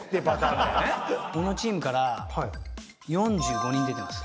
このチームから４５人出てます。